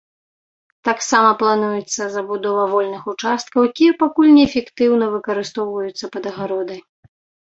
Таксама плануецца забудова вольных участкаў, якія пакуль неэфектыўна выкарыстоўваюцца пад агароды.